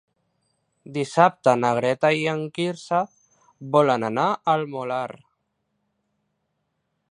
Dissabte na Greta i en Quirze volen anar al Molar.